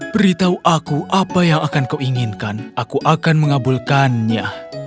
beritahu aku apa yang akan kau inginkan aku akan mengabulkannya